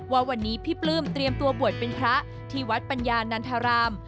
ว่าวันนี้พี่ปลื้มเตรียมตัวบวชเป็นพระที่วัดปัญญานันทราราม